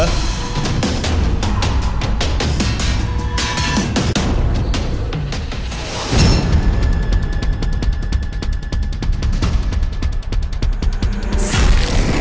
apalagi bukan sesuatu itu bisa dikenal